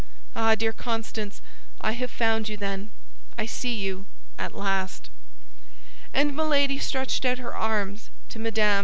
Ah, dear Constance, I have found you, then; I see you at last!" And Milady stretched out her arms to Mme.